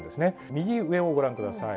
右上をご覧ください。